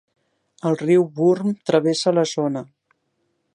El riu Wurm travessa la zona.